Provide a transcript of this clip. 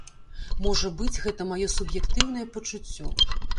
Можа быць, гэта маё суб'ектыўнае пачуццё.